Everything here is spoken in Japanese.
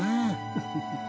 フフフフ。